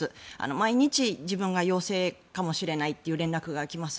毎日、自分が陽性かもしれないっていう連絡が来ます。